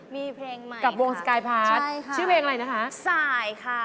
มีเพลงใหม่ค่ะใช่ค่ะสายค่ะ